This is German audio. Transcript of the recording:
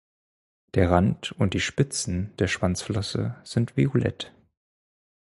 Der Rand und die Spitzen der Schwanzflosse sind violett.